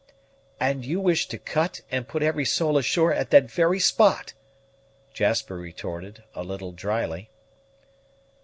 "And you wish to cut, and put every soul ashore at that very spot!" Jasper retorted, a little drily.